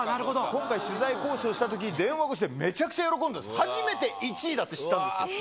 今回、取材交渉したとき電話越しで、めちゃくちゃ喜んでて、１位だって知ったんですよ。